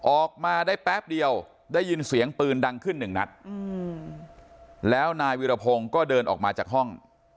ออกมาได้แป๊บเดียวได้ยินเสียงปืนดังขึ้นหนึ่งนัดแล้วนายวิรพงศ์ก็เดินออกมาจากห้อง